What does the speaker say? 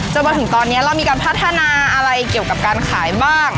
จนถึงตอนนี้เรามีการพัฒนาอะไรเกี่ยวกับการขายบ้าง